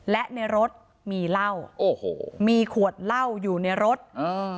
และในรถมีเหล้าโอ้โหมีขวดเหล้าอยู่ในรถอ่า